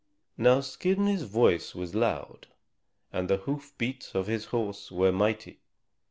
Now Skirnir's voice was loud and the hoof beats of his horse were mighty.